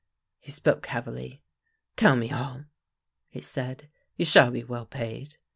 He spoke heavily. " Tell me all !" he said. " You shall be well paid."